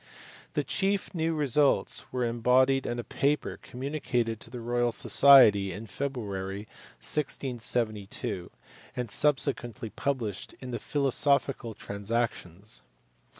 The chief new results were embodied in a paper communicated to the Royal Society in February, 1672, and subsequently published in the Philosophical Transactions.